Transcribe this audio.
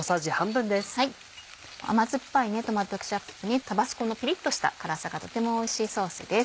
甘酸っぱいトマトケチャップにタバスコのピリっとした辛さがとてもおいしいソースです。